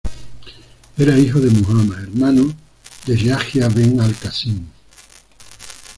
Era hijo de Muhammad, hermano de Yahya ben al-Qásim.